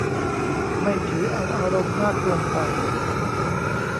ไม่ถือเอาอารมณ์มากเกินไป